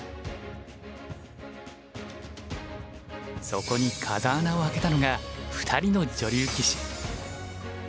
そこに風穴を開けたのが２人の女流棋士。